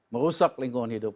merusak lingkungan hidup